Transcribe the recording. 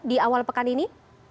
di awal pekan ini